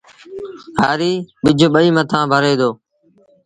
هآريٚ ٻج ٻئيٚ مٿآ ڀري دو